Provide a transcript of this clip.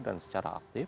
dan secara aktif